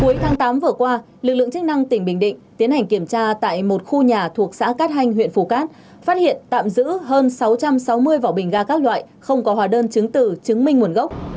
cuối tháng tám vừa qua lực lượng chức năng tỉnh bình định tiến hành kiểm tra tại một khu nhà thuộc xã cát hanh huyện phù cát phát hiện tạm giữ hơn sáu trăm sáu mươi vỏ bình ga các loại không có hòa đơn chứng tử chứng minh nguồn gốc